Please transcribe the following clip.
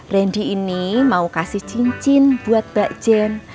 randy ini mau kasih cincin buat mbak jen